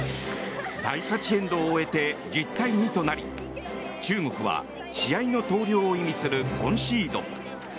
第８エンドを終えて１０対２となり中国は試合の投了を意味するコンシード。